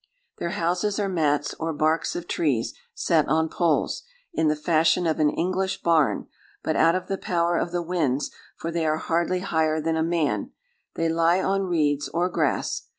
"Their houses are mats, or barks of trees, set on poles, in the fashion of an English barn, but out of the power of the winds, for they are hardly higher than a man: they lie on reeds, or grass.